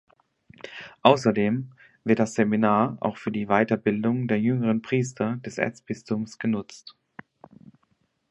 Außerdem wird das Seminar auch für die Weiterbildung der jüngeren Priester des Erzbistums genutzt.